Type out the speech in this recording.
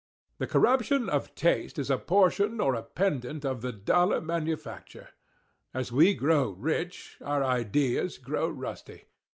The corruption of taste is a portion or a pendant of the dollar manufacture. As we grow rich, our ideas grow rusty.